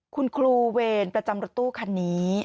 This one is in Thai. คุณครูเวรประจำรถตู้คันนี้